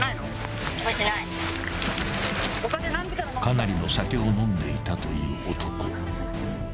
［かなりの酒を飲んでいたという男］